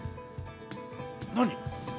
「何？